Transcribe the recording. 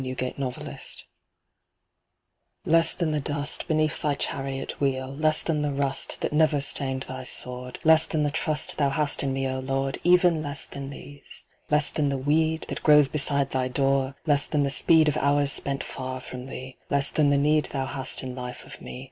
"Less than the Dust" Less than the dust, beneath thy Chariot wheel, Less than the rust, that never stained thy Sword, Less than the trust thou hast in me, O Lord, Even less than these! Less than the weed, that grows beside thy door, Less than the speed of hours spent far from thee, Less than the need thou hast in life of me.